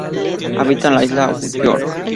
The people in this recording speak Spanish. Habita en la isla York.